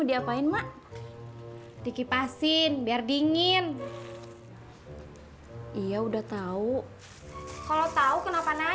t disguistennya kok bisa jadi sulung considering this sorenya